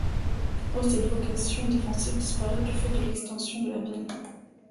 Au cette vocation défensive disparut du fait de l'extension de la ville.